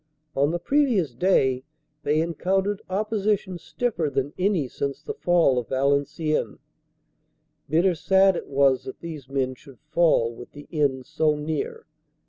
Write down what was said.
On the previous day they encountered opposition stiffer than any since the fall of Valenciennes. Bitter sad it was that these men should fall with the end so near.